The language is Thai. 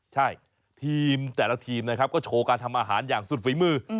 ใช่ทีมแต่ละทีมนะครับก็โชว์การทำอาหารอย่างสุดฝีมือ